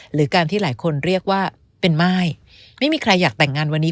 หรือการที่หลายคนเรียกว่าเป็นม่ายไม่มีใครอยากแต่งงานวันนี้